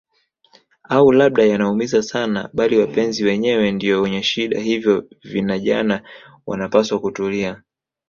au labda yanaumiza sana bali wapenzi wenyewe ndio wenye shida hivyo vinajana wanapaswa kutulia